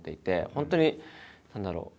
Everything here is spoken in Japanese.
本当に何だろう